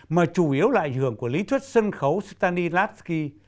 mà chủ yếu là ảnh hưởng của lý thuyết sân khấu stanylaski